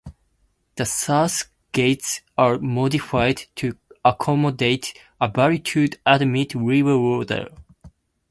The south gates are modified to accommodate a valve to admit river water.